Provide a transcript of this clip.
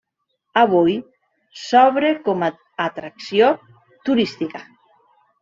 Avui, s'obre com a atracció turística.